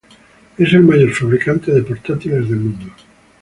Es el mayor fabricante de portátiles del mundo.